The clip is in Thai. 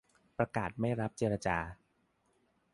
ประกาศไม่รับการเจรจา